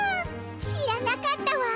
知らなかったわ。